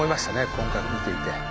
今回見ていて。